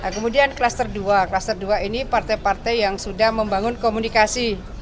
kemudian kluster dua klaster dua ini partai partai yang sudah membangun komunikasi